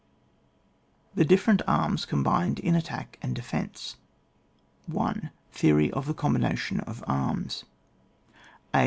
— The Different Arms combined IN Attack and Defence. 1. Theory of the combination of arms: — a.